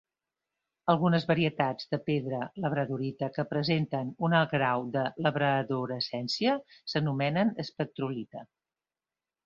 Algunes varietats de pedra labradorita que presenten un alt grau de labradorescència s'anomenen espectrolita.